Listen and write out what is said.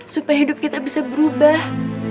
supaya hidup kita bisa berubah